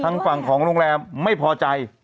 คลุมฝั่งของโรงเรัมไม่พอใจ